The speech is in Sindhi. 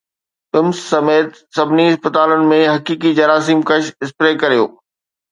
پمز سميت سڀني اسپتالن ۾ حقيقي جراثيم ڪش اسپري ڪريو